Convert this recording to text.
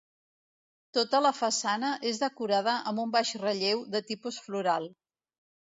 Tota la façana és decorada amb un baix relleu de tipus floral.